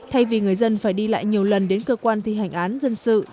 thay vì người dân phải đi lại nhiều lần đến cơ quan thi hành án dân sự để gửi đơn yêu cầu